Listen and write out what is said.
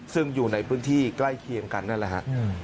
ซึ่งอยู่ในพื้นที่ใกล้เคียงกันนั่นแหละฮะ